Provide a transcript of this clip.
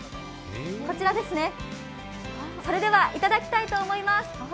こちらですね、それでは頂きたいと思います。